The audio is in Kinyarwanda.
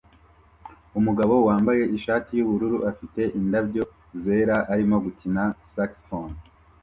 Umugabo wambaye ishati yubururu afite indabyo zera arimo gukina saxofone